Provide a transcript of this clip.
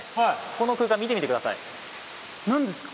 この空間見てみてください何ですか？